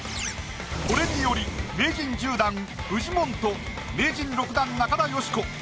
これにより名人１０段フジモンと名人６段中田喜子